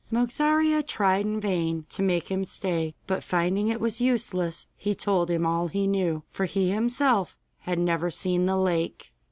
Mogarzea tried in vain to make him stay, but, finding it was useless, he told him all he knew, for he himself had never seen the lake.